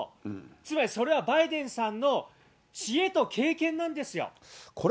つまりそれはバイデンさんの知恵と経験なんですよ。